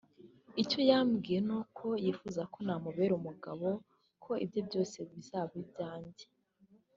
icyo yambwiye nuko yifuza ko namubera umugabo ko ibye byose bizaba ibyanjye